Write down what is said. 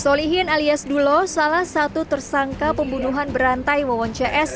solihin alias dulo salah satu tersangka pembunuhan berantai wawon cs